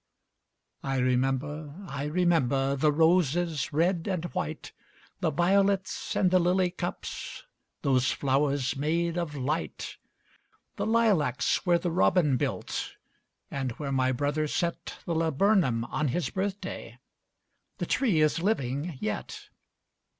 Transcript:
I remember, I remember, The roses, red and white, The violets, and the lily cups, Those flowers made of light! The lilacs where the robin built, And where my brother set The laburnum on his birthday, The tree is living yet!